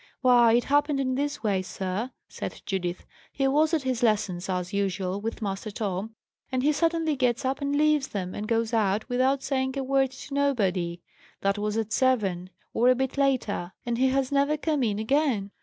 "Why, it happened in this way, sir," said Judith. "He was at his lessons, as usual, with Master Tom, and he suddenly gets up and leaves them, and goes out, without saying a word to nobody. That was at seven, or a bit later; and he has never come in again."